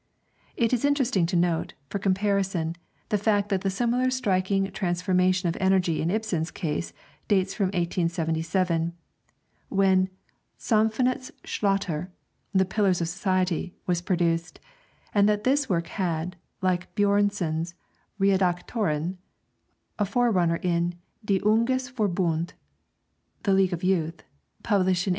It is interesting to note, for comparison, the fact that the similar striking transformation of energy in Ibsen's case dates from 1877, when 'Samfundet's Stötter' (The Pillars of Society) was produced, and that this work had, like Björnson's 'Redaktören,' a forerunner in 'De Unges Forbund' (The League of Youth), published in 1869.